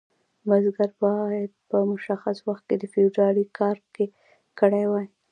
بزګر باید په مشخص وخت کې د فیوډال کار کړی وای.